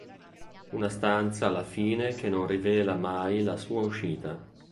Una stanza alla fine che non rivela mai la sua uscita.